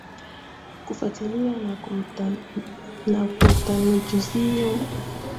kufuatilia na kutathimini matumizi ya ruzuku ya Serikali za Mitaa zilizo katika Mikoa